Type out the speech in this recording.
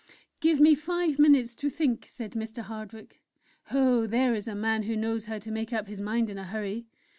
"'Give me five minutes to think,' said Mr. Hardwick. Oh! there is a man who knows how to make up his mind in a hurry!